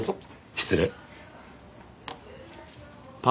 失礼。